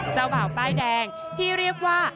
เจ้าบ่าวป้ายแดงที่เรียกว่า